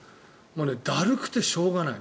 もうね、だるくてしょうがない。